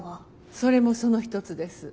それもその一つです。